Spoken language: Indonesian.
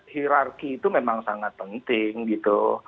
hirarki itu memang sangat penting gitu